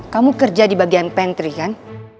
kamu kerja di bagian pantri kan